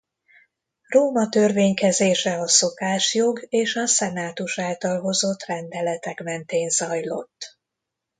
Róma törvénykezése a szokásjog és a senatus által hozott rendeletek mentén zajlott.